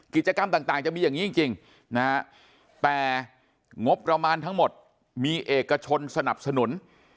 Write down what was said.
กิจกรรมต่างจะมีอย่างนี้จริงนะฮะแต่งบประมาณทั้งหมดมีเอกชนสนับสนุน